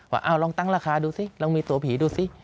ว่าลองตั้งราคาดูสิลองมีตัวผีดูสิ